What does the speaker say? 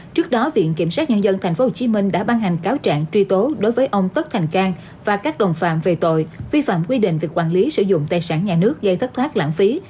trước đó viện kiểm sát nhân dân tp hcm đã ban hành cáo trạng truy tố đối với ông tất thành cang và các đồng phạm về tội vi phạm quy định về quản lý sử dụng tài sản nhà nước gây thất thoát lãng phí